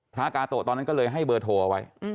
พระกาโตไปตอนนั้นก็เลยให้เบอร์โทใช้ไว้